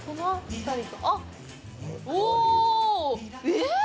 えっ！